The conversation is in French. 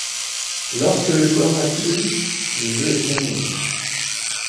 Lorsque le joueur n'a plus de vie, le jeu est terminé.